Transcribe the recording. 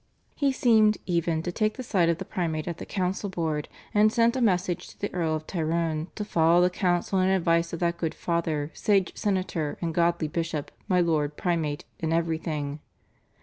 He seemed, even, to take the side of the Primate at the council board, and sent a message to the Earl of Tyrone "to follow the counsell and advice of that good father, sage senator and godly bishop, my lord Primate in everything."